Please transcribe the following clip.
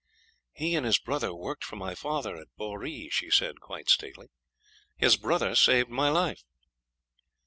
'He and his brother worked for my father at Boree,' she said, quite stately. 'His brother saved my life.'